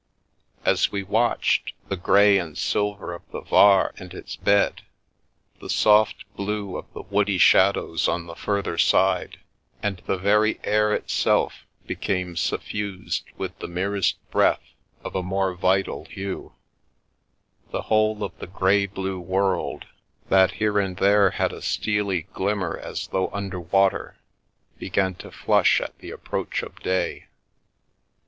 As we watched, the grey and silver of the Var and its bed, the soft blue of the woody shadows on the further side, and the very air itself, be came suffused with the merest breath of a more vital hue — the whole of the grey blue world, that here and The Milky Way there had a steely glimmer as though under water, began to flush at the approach of day.